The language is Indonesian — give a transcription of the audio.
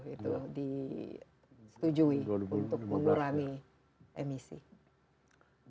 itu disetujui untuk mengurangi emisi